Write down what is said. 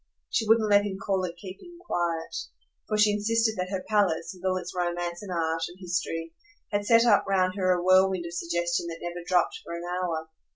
She wouldn't let him call it keeping quiet, for she insisted that her palace with all its romance and art and history had set up round her a whirlwind of suggestion that never dropped for an hour.